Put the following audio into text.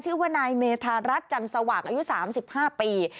ชื่อว่านายเมธารัฐจันสว่างอายุ๓๕ปี